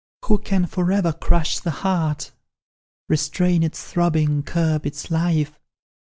"Who can for ever crush the heart, Restrain its throbbing, curb its life?